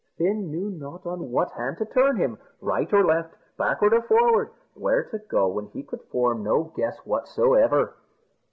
Fin knew not on what hand to turn him. Right or left backward or forward where to go he could form no guess whatsoever.